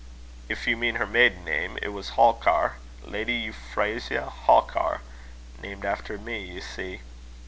"If you mean her maiden name, it was Halkar Lady Euphrasia Halkar named after me, you see.